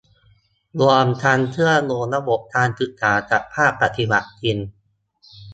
รวมทั้งเชื่อมโยงระบบการศึกษากับภาคปฏิบัติจริง